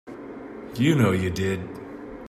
You know you did.